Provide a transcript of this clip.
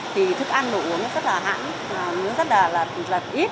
thì thức ăn đồ uống rất là hãng nướng rất là ít